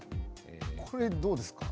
これどうですか？